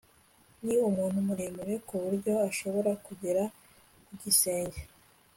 Ni umuntu muremure kuburyo ashobora kugera ku gisenge